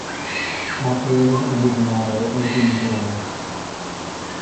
Operating under the motto Open Doors.